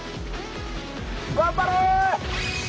頑張れ！